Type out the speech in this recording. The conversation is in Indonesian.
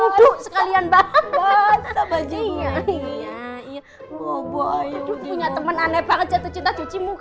ya osobo yuk tupuk anak banget jatuh cinta cuci muka